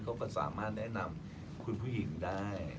เขาก็สามารถแนะนำคุณผู้หญิงได้